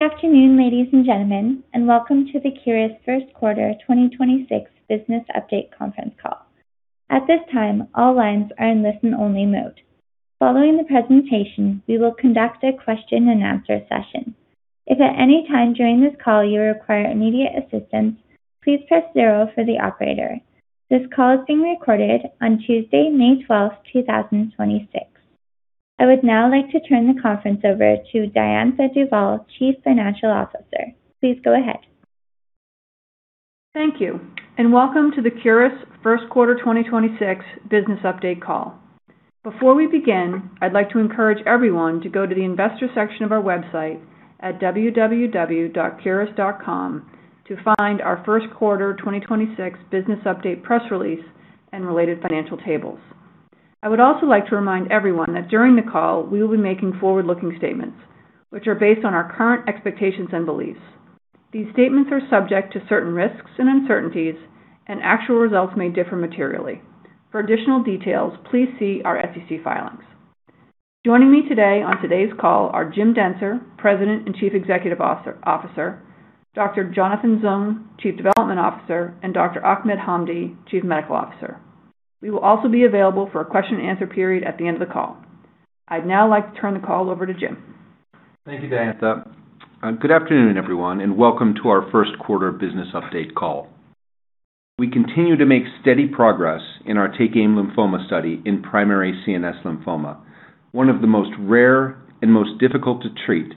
Good afternoon, ladies and gentlemen, welcome to the Curis first quarter 2026 business update conference call. At this time, all lines are in listen-only mode. Following the presentation, we will conduct a question-and-answer session. If at any time during this call you require immediate assistance, please press zero for the operator. This call is being recorded on Tuesday, May 12th, 2026. I would now like to turn the conference over to Diantha Duvall, Chief Financial Officer. Please go ahead. Thank you. Welcome to the Curis first quarter 2026 business update call. Before we begin, I'd like to encourage everyone to go to the investor section of our website at www.curis.com to find our first quarter 2026 business update press release and related financial tables. I would also like to remind everyone that during the call, we will be making forward-looking statements, which are based on our current expectations and beliefs. These statements are subject to certain risks and uncertainties. Actual results may differ materially. For additional details, please see our SEC filings. Joining me today on today's call are Jim Dentzer, President and Chief Executive Officer, Dr. Jonathan Zung, Chief Development Officer, and Dr. Ahmed Hamdy, Chief Medical Officer. We will also be available for a question-and-answer period at the end of the call. I'd now like to turn the call over to Jim. Thank you, Diantha. Good afternoon, everyone, and welcome to our first quarter business update call. We continue to make steady progress in our TakeAim Lymphoma study in primary CNS lymphoma, one of the most rare and most difficult to treat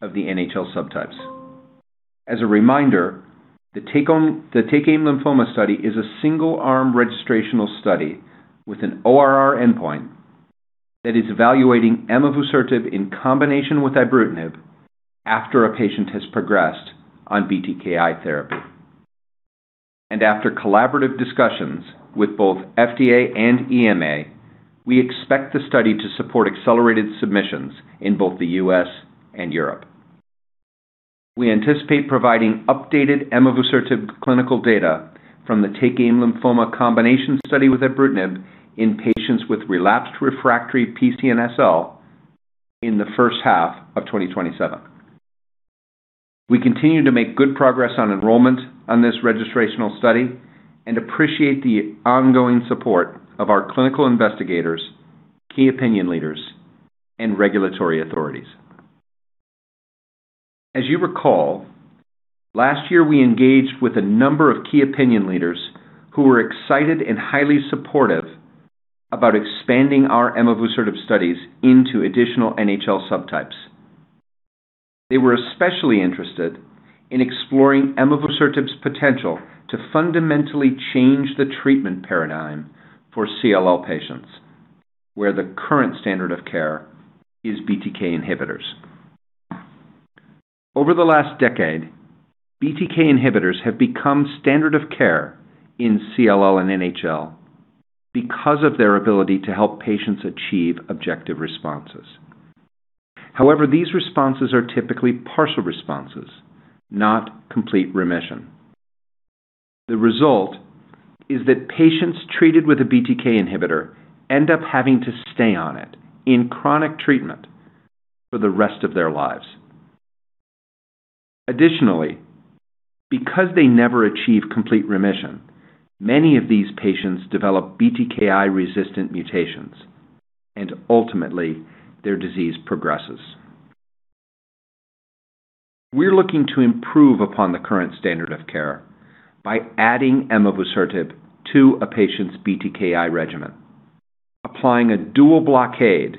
of the NHL subtypes. As a reminder, the TakeAim Lymphoma study is a single-arm registrational study with an ORR endpoint that is evaluating emavusertib in combination with ibrutinib after a patient has progressed on BTKI therapy. After collaborative discussions with both FDA and EMA, we expect the study to support accelerated submissions in both the U.S. and Europe. We anticipate providing updated emavusertib clinical data from the TakeAim Lymphoma combination study with ibrutinib in patients with relapsed refractory PCNSL in the first half of 2027. We continue to make good progress on enrollment on this registrational study and appreciate the ongoing support of our clinical investigators, key opinion leaders, and regulatory authorities. As you recall, last year, we engaged with a number of key opinion leaders who were excited and highly supportive about expanding our emavusertib studies into additional NHL subtypes. They were especially interested in exploring emavusertib's potential to fundamentally change the treatment paradigm for CLL patients, where the current standard of care is BTK inhibitors. Over the last decade, BTK inhibitors have become standard of care in CLL and NHL because of their ability to help patients achieve objective responses. However, these responses are typically partial responses, not complete remission. The result is that patients treated with a BTK inhibitor end up having to stay on it in chronic treatment for the rest of their lives. Additionally, because they never achieve complete remission, many of these patients develop BTKI-resistant mutations, and ultimately, their disease progresses. We're looking to improve upon the current standard of care by adding emavusertib to a patient's BTKI regimen, applying a dual blockade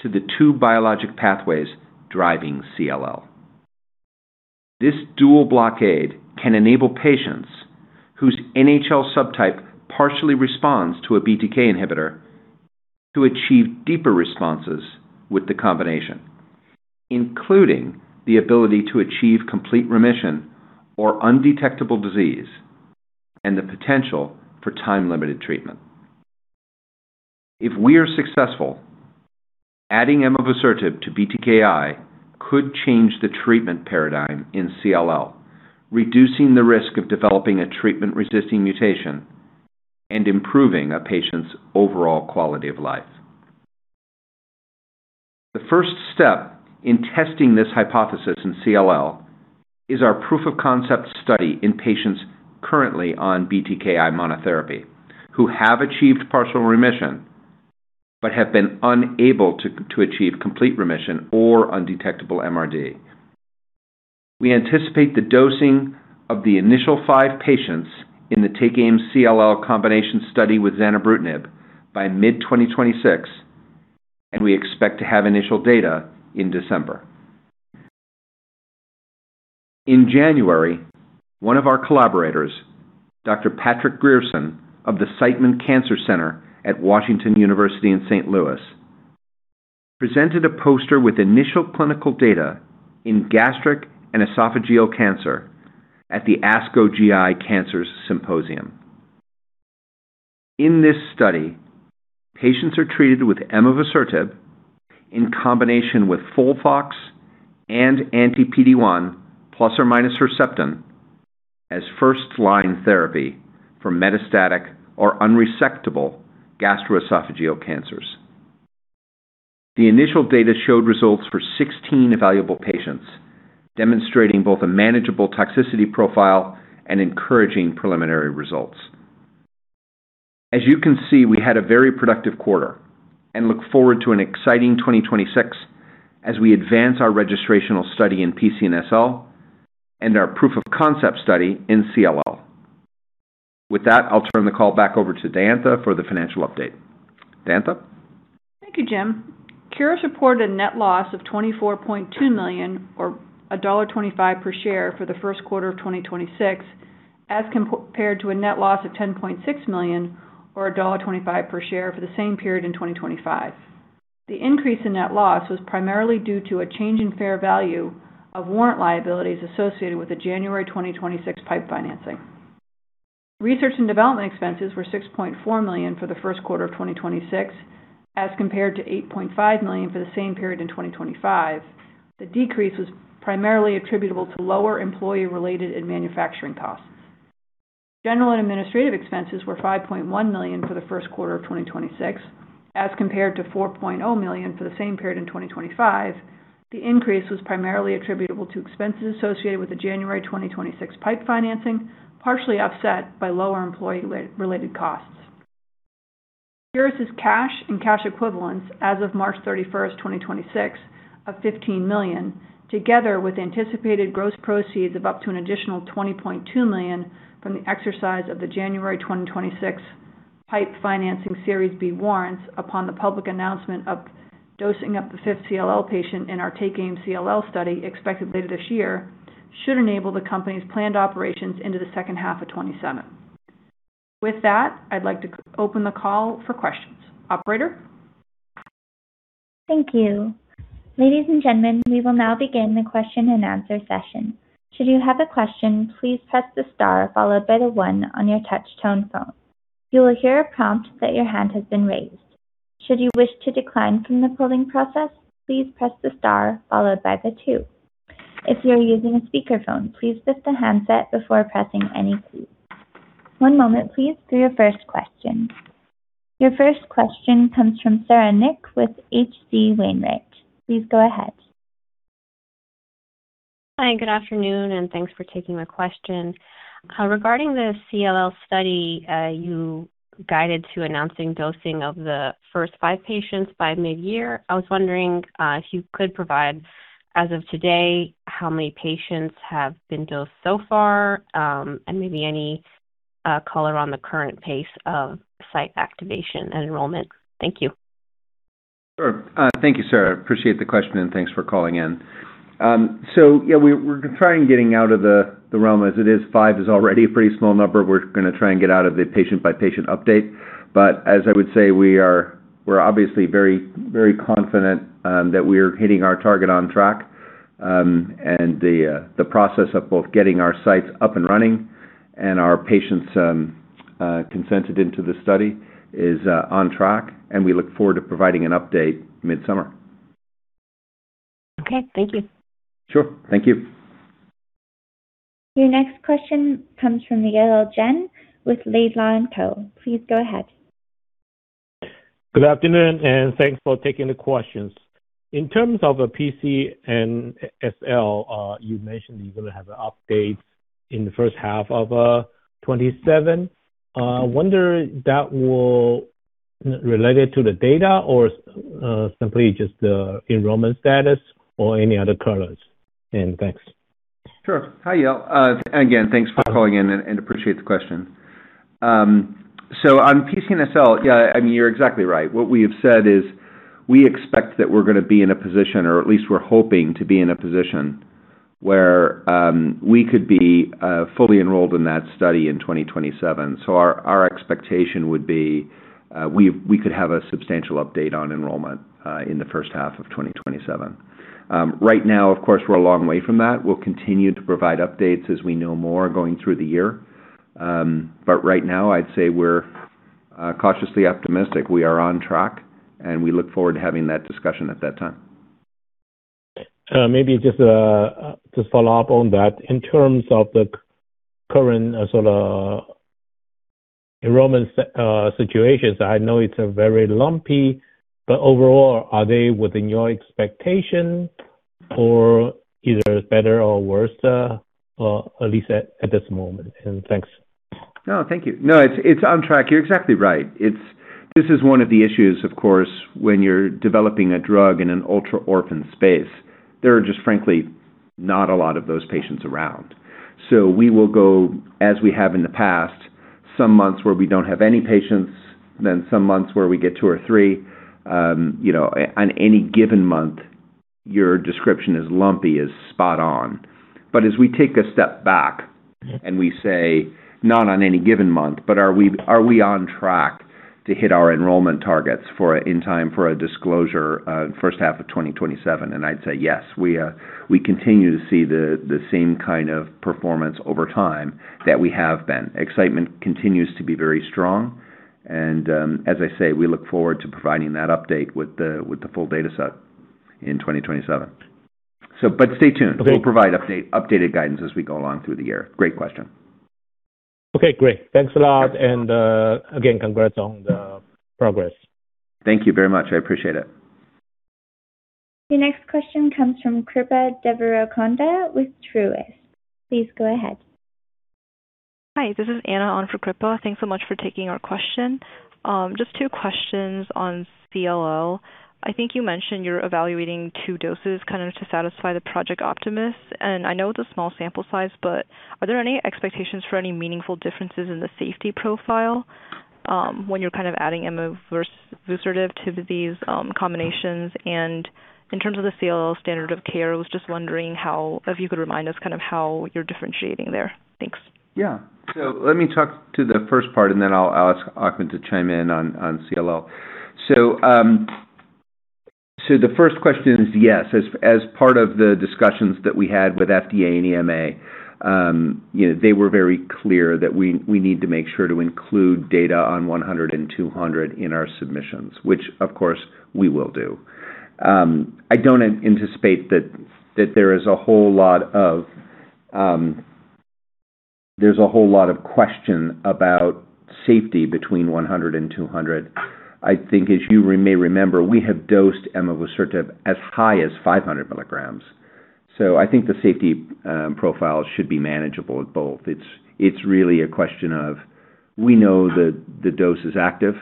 to the two biologic pathways driving CLL. This dual blockade can enable patients whose NHL subtype partially responds to a BTK inhibitor to achieve deeper responses with the combination, including the ability to achieve complete remission or undetectable disease and the potential for time-limited treatment. If we are successful, adding emavusertib to BTKI could change the treatment paradigm in CLL, reducing the risk of developing a treatment-resisting mutation and improving a patient's overall quality of life. The first step in testing this hypothesis in CLL is our proof-of-concept study in patients currently on BTKI monotherapy who have achieved partial remission but have been unable to achieve complete remission or undetectable MRD. We anticipate the dosing of the initial five patients in the TakeAim CLL combination study with zanubrutinib by mid-2026, and we expect to have initial data in December. In January, one of our collaborators, Dr. Patrick Grierson of the Siteman Cancer Center at Washington University in St. Louis, presented a poster with initial clinical data in gastric and esophageal cancer at the ASCO GI Cancers Symposium. In this study, patients are treated with emavusertib in combination with FOLFOX and anti-PD-1 plus or minus Herceptin as first-line therapy for metastatic or unresectable gastroesophageal cancers. The initial data showed results for 16 evaluable patients, demonstrating both a manageable toxicity profile and encouraging preliminary results. As you can see, we had a very productive quarter and look forward to an exciting 2026 as we advance our registrational study in PCNSL and our proof of concept study in CLL. With that, I'll turn the call back over to Diantha for the financial update. Diantha? Thank you, Jim. Curis reported a net loss of $24.2 million or $1.25 per share for the first quarter of 2026, as compared to a net loss of $10.6 million or $1.25 per share for the same period in 2025. The increase in net loss was primarily due to a change in fair value of warrant liabilities associated with the January 2026 PIPE financing. Research and development expenses were $6.4 million for the first quarter of 2026, as compared to $8.5 million for the same period in 2025. The decrease was primarily attributable to lower employee-related and manufacturing costs. General and administrative expenses were $5.1 million for the first quarter of 2026, as compared to $4.0 million for the same period in 2025. The increase was primarily attributable to expenses associated with the January 2026 PIPE financing, partially offset by lower employee related costs. Curis' cash and cash equivalents as of March 31st, 2026, of $15 million, together with anticipated gross proceeds of up to an additional $20.2 million from the exercise of the January 2026 PIPE financing Series B warrants upon the public announcement of dosing up the fifth CLL patient in our TakeAim CLL study expected later this year, should enable the company's planned operations into the second half of 2027. With that, I'd like to open the call for questions. Operator? Your first question comes from Sara Nik with H.C. Wainwright & Co. Please go ahead. Hi, good afternoon, thanks for taking my question. Regarding the CLL study, you guided to announcing dosing of the first five patients by mid-year. I was wondering, if you could provide as of today, how many patients have been dosed so far, and maybe any color on the current pace of site activation and enrollment. Thank you. Sure. Thank you, Sara. I appreciate the question, and thanks for calling in. Yeah, we're trying getting out of the realm as it is. Five is already a pretty small number. We're gonna try and get out of a patient-by-patient update. As I would say, we're obviously very, very confident that we are hitting our target on track. The process of both getting our sites up and running and our patients consented into the study is on track, and we look forward to providing an update midsummer. Okay. Thank you. Sure. Thank you. Your next question comes from the Yale Jen with Laidlaw & Company. Please go ahead. Good afternoon, and thanks for taking the questions. In terms of a PCNSL, you mentioned you're gonna have updates in the first half of 2027. Wonder that will related to the data or simply just the enrollment status or any other colors? Thanks. Sure. Hi, Yale. Again, thanks for calling in and appreciate the question. On PCNSL, yeah, I mean, you're exactly right. What we have said is we expect that we're gonna be in a position, or at least we're hoping to be in a position where we could be fully enrolled in that study in 2027. Our expectation would be we could have a substantial update on enrollment in the first half of 2027. Right now, of course, we're a long way from that. We'll continue to provide updates as we know more going through the year. Right now, I'd say we're cautiously optimistic. We are on track, we look forward to having that discussion at that time. Maybe just to follow up on that. In terms of the current sort of enrollment situations, I know it's a very lumpy, but overall, are they within your expectation or either better or worse, or at least at this moment? Thanks. No, thank you. No, it's on track. You're exactly right. This is one of the issues, of course, when you're developing a drug in an ultra-orphan space. There are just, frankly, not a lot of those patients around. We will go, as we have in the past, some months where we don't have any patients, then some months where we get two or three. You know, on any given month, your description is lumpy is spot on. As we take a step back and we say, not on any given month, are we on track to hit our enrollment targets in time for a disclosure, first half of 2027? I'd say yes. We continue to see the same kind of performance over time that we have been. Excitement continues to be very strong, as I say, we look forward to providing that update with the full data set in 2027. Stay tuned. Okay. We'll provide update, updated guidance as we go along through the year. Great question. Okay, great. Thanks a lot. Again, congrats on the progress. Thank you very much. I appreciate it. The next question comes from Srikripa Devarakonda with Truist. Please go ahead. Hi. This is Anna on for Kripa. Thanks so much for taking our question. Just two questions on CLL. I think you mentioned you're evaluating two doses kind of to satisfy the Project Optimus, and I know it's a small sample size, but are there any expectations for any meaningful differences in the safety profile, when you're kind of adding emavusertib to these combinations? In terms of the CLL standard of care, if you could remind us kind of how you're differentiating there. Thanks. Yeah. Let me talk to the first part, and then I'll ask Ahmed to chime in on CLL. The first question is, yes, as part of the discussions that we had with FDA and EMA, they were very clear that we need to make sure to include data on 100 and 200 in our submissions, which of course we will do. I don't anticipate that there is a whole lot of question about safety between 100 and 200. I think as you may remember, we have dosed emavusertib as high as 500 mg. I think the safety profile should be manageable at both. It's really a question of we know that the dose is active,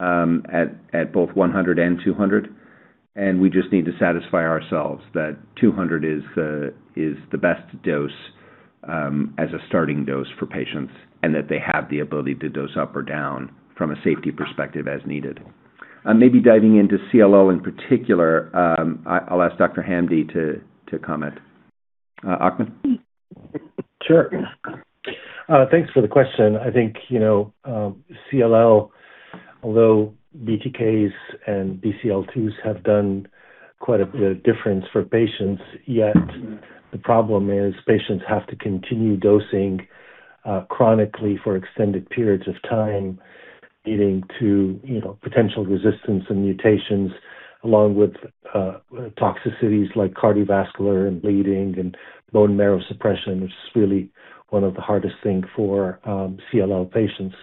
at both 100 and 200, and we just need to satisfy ourselves that 200 is the best dose as a starting dose for patients and that they have the ability to dose up or down from a safety perspective as needed. Maybe diving into CLL in particular, I'll ask Dr. Hamdy to comment. Ahmed? Sure. Thanks for the question. I think, you know, CLL, although BTKs and BCL2s have done quite a bit of difference for patients, yet the problem is patients have to continue dosing chronically for extended periods of time, leading to, you know, potential resistance and mutations, along with toxicities like cardiovascular and bleeding and bone marrow suppression, which is really one of the hardest thing for CLL patients.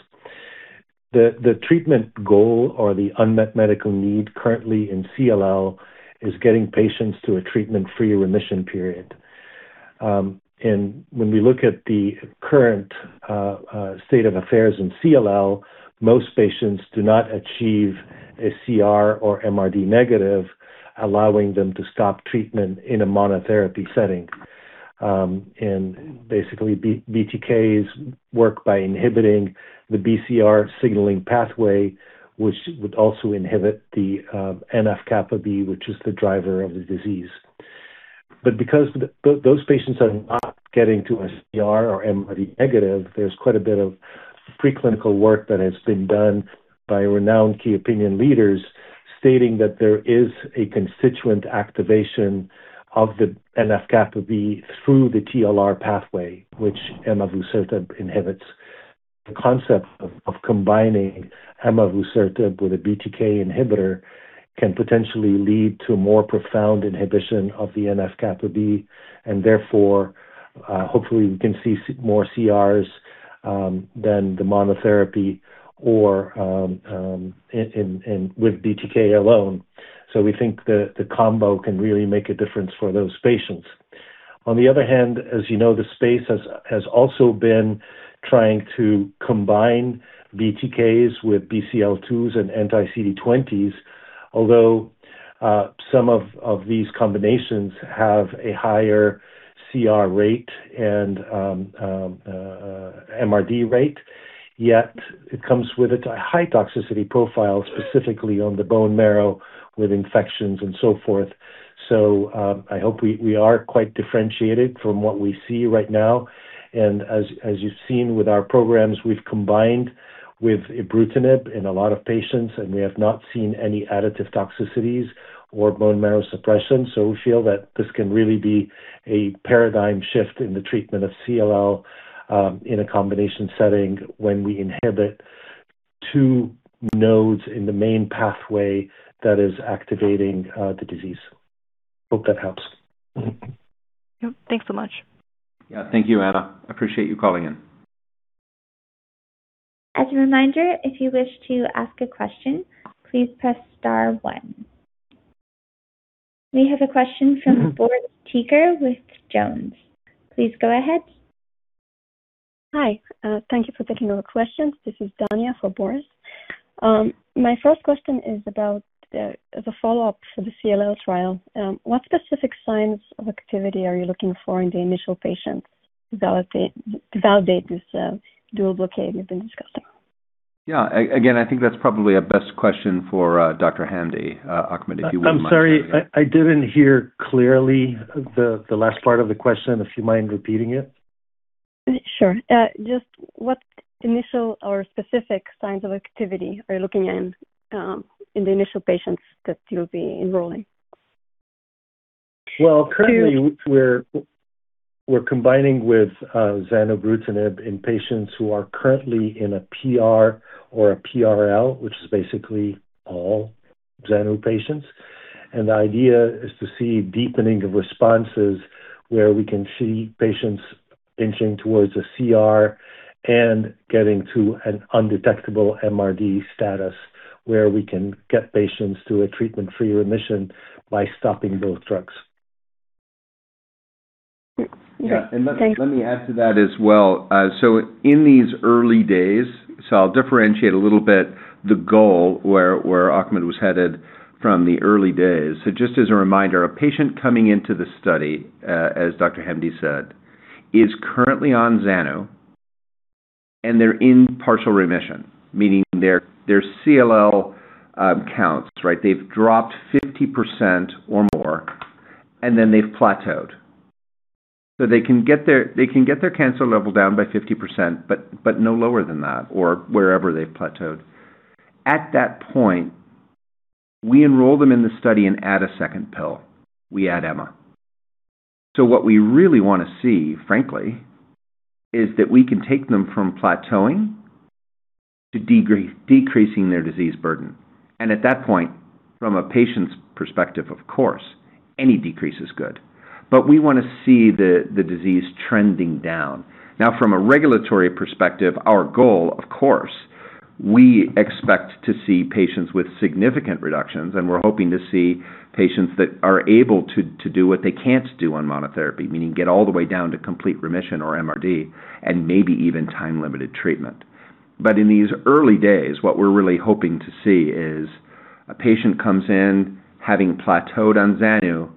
The treatment goal or the unmet medical need currently in CLL is getting patients to a treatment-free remission period. When we look at the current state of affairs in CLL, most patients do not achieve a CR or MRD negative, allowing them to stop treatment in a monotherapy setting. Basically BTKs work by inhibiting the BCR signaling pathway, which would also inhibit the NF-κB, which is the driver of the disease. Because those patients are not getting to a CR or MRD negative, there's quite a bit of preclinical work that has been done by renowned key opinion leaders stating that there is a constitutive activation of the NF-κB through the TLR pathway, which emavusertib inhibits. The concept of combining emavusertib with a BTK inhibitor can potentially lead to a more profound inhibition of the NF-κB and therefore, hopefully we can see more CRs than the monotherapy or with BTK alone. We think the combo can really make a difference for those patients. As you know, the space has also been trying to combine BTKs with BCL2s and anti-CD20s, although some of these combinations have a higher CR rate and MRD rate, yet it comes with a high toxicity profile, specifically on the bone marrow with infections and so forth. I hope we are quite differentiated from what we see right now, and as you've seen with our programs, we've combined with ibrutinib in a lot of patients, and we have not seen any additive toxicities or bone marrow suppression. We feel that this can really be a paradigm shift in the treatment of CLL in a combination setting when we inhibit two nodes in the main pathway that is activating the disease. Hope that helps. Yep. Thanks so much. Yeah. Thank you, Anna. Appreciate you calling in. As a reminder, if you wish to ask a question, please press star one. We have a question from Boris Peaker with JonesTrading. Please go ahead. Hi. Thank you for taking our questions. This is Dania for Boris. My first question is about the, as a follow-up for the CLL trial. What specific signs of activity are you looking for in the initial patients to validate this dual blockade we've been discussing? Yeah. Again, I think that's probably a best question for Dr. Hamdy. Ahmed, if you wouldn't mind. I'm sorry. I didn't hear clearly the last part of the question. If you mind repeating it? Sure. Just what initial or specific signs of activity are you looking in the initial patients that you'll be enrolling? Well, currently we're combining with zanubrutinib in patients who are currently in a PR or a PR, which is basically all zanu patients. The idea is to see deepening of responses where we can see patients inching towards a CR and getting to an undetectable MRD status, where we can get patients to a treatment-free remission by stopping both drugs. Great. Thanks. Yeah, let me add to that as well. In these early days, so I'll differentiate a little bit the goal where Ahmed was headed from the early days. Just as a reminder, a patient coming into the study, as Dr. Hamdy said, is currently on zanubrutinib, and they're in partial remission, meaning their CLL counts, right? They've dropped 50% or more, and then they've plateaued. They can get their cancer level down by 50%, but no lower than that or wherever they've plateaued. At that point, we enroll them in the study and add a second pill. We add emavusertib. What we really wanna see, frankly, is that we can take them from plateauing to decreasing their disease burden. At that point, from a patient's perspective, of course, any decrease is good. We wanna see the disease trending down. From a regulatory perspective, our goal, of course, we expect to see patients with significant reductions, and we're hoping to see patients that are able to do what they can't do on monotherapy, meaning get all the way down to complete remission or MRD, and maybe even time-limited treatment. In these early days, what we're really hoping to see is a patient comes in having plateaued on zanu,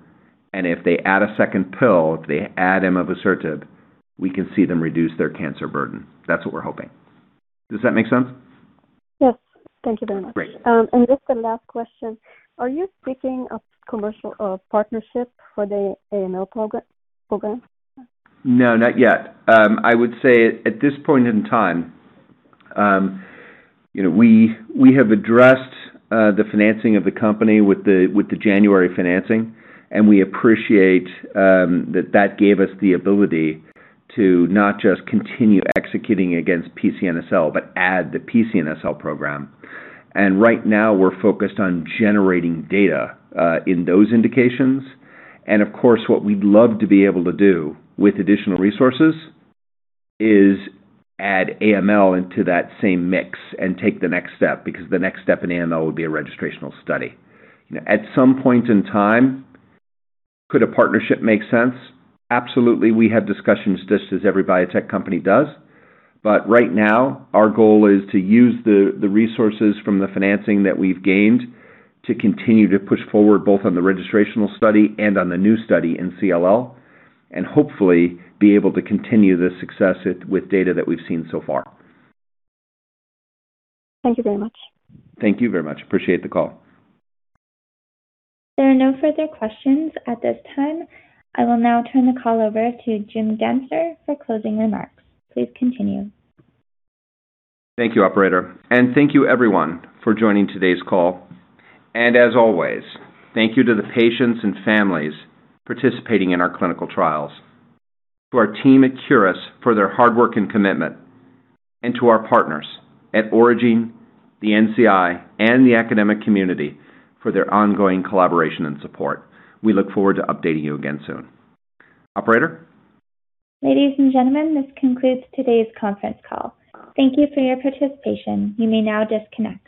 and if they add a second pill, if they add emavusertib, we can see them reduce their cancer burden. That's what we're hoping. Does that make sense? Yes. Thank you very much. Great. Just the last question. Are you speaking of commercial partnership for the AML program? No, not yet. I would say at this point in time, you know, we have addressed the financing of the company with the January financing, and we appreciate that that gave us the ability to not just continue executing against PCNSL but add the PCNSL program. Right now we're focused on generating data in those indications. Of course, what we'd love to be able to do with additional resources is add AML into that same mix and take the next step, because the next step in AML would be a registrational study. You know, at some point in time, could a partnership make sense? Absolutely. We have discussions just as every biotech company does. Right now, our goal is to use the resources from the financing that we've gained to continue to push forward, both on the registrational study and on the new study in CLL, and hopefully be able to continue the success with data that we've seen so far. Thank you very much. Thank you very much. Appreciate the call. There are no further questions at this time. I will now turn the call over to Jim Dentzer for closing remarks. Please continue. Thank you, operator, and thank you everyone for joining today's call. As always, thank you to the patients and families participating in our clinical trials, to our team at Curis for their hard work and commitment, and to our partners at Aurigene, the NCI, and the academic community for their ongoing collaboration and support. We look forward to updating you again soon. Operator? Ladies and gentlemen, this concludes today's conference call. Thank you for your participation. You may now disconnect.